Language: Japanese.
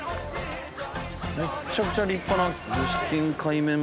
めちゃくちゃ立派な。